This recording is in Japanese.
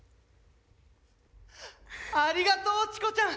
ありがとうチコちゃん！